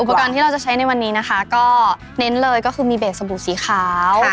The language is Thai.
อุปกรณ์ที่เราจะใช้ในวันนี้นะคะก็เน้นเลยก็คือมีเบสบู่สีขาว